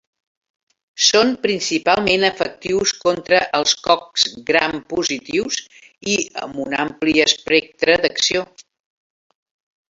Són principalment efectius contra els cocs gram positius i amb un ampli espectre d'acció.